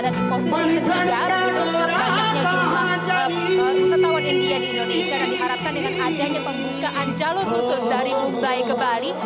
dan juga banyaknya jumlah wisatawan india di indonesia dan diharapkan dengan adanya pembukaan jalur khusus dari mumbai ke bali